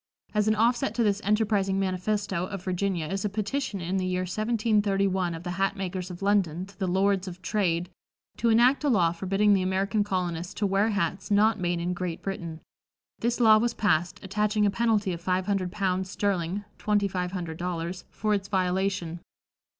As an offset to this enterprising manifesto of Virginia is a petition in the year 1731 of the hat makers of London to the "Lords of Trade," to enact a law forbidding the American colonists to wear hats not made in Great Britain. This law was passed, attaching a penalty of five hundred pounds sterling (twenty five hundred dollars) for its violation.